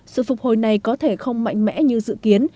sự phục hồi này có thể không mạnh mẽ như dự kiến